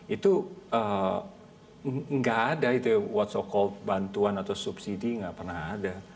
itu gak ada itu what so called bantuan atau subsidi gak pernah ada